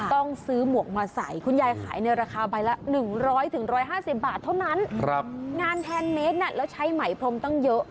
ต้องซื้อหมวกมาใส่คุณยายขายในราคาใบละ๑๐๐๑๕๐บาทเท่านั้นงานแพนเมตรแล้วใช้ไหมพรมตั้งเยอะ